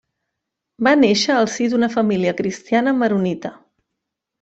Va néixer al si d'una família cristiana maronita.